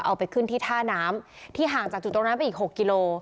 เอาไปขึ้นที่ท่าน้ำที่ห่างจากจุดตรงนั้นไปอีก๖กิโล